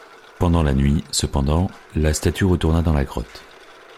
Pendant la nuit, cependant, la statue retourna dans la grotte.